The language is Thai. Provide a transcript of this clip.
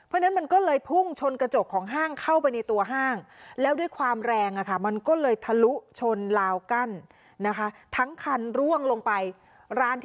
ร้านที่เจอเต็มคือร้านกาแฟค่ะที่ชั้น๑